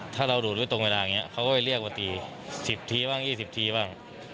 ถ้าเราดูดไว้ตรงเวลาอย่างนี้เขาก็ไปเรียกมาตี๑๐ทีบ้าง๒๐ทีบ้าง